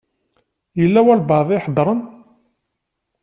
Yella walebɛaḍ i iheddṛen.